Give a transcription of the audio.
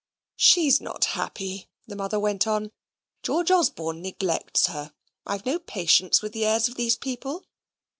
"She's not happy," the mother went on. "George Osborne neglects her. I've no patience with the airs of those people.